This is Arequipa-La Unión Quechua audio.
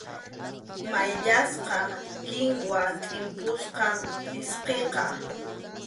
Mayllasqa kinwa tʼimpusqam pʼsqiqa.